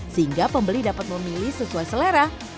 sehingga pembeli dapat memilih sesuai selera